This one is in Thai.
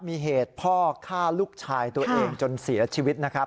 มีเหตุพ่อฆ่าลูกชายตัวเองจนเสียชีวิตนะครับ